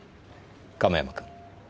亀山君。